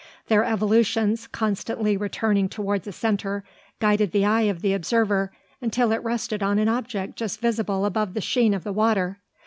Their evolutions, constantly returning towards a centre, guided the eye of the observer until it rested on an object just visible above the sheen of the water.